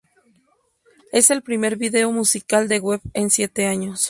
Es el primer video musical de Webb en siete años.